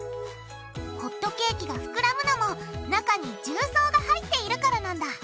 ホットケーキがふくらむのも中に重曹が入っているからなんだ！